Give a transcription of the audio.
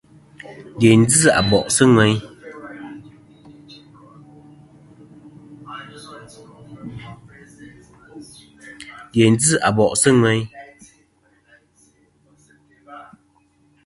Dyèyn ji Abòʼ sɨ̂ ŋweyn.